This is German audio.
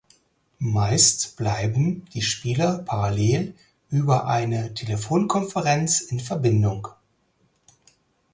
Meist bleiben die Spieler parallel über eine Telefonkonferenz in Verbindung.